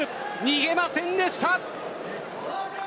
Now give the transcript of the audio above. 逃げませんでした！